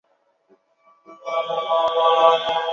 富兰克林镇区为位在美国阿肯色州卡洛尔县的镇区。